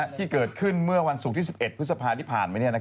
ที่เกิดขึ้นเมื่อวันศุกร์ที่๑๑พฤษภาที่ผ่านมา